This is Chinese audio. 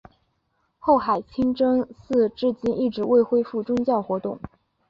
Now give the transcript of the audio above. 后海清真寺至今一直未恢复宗教活动。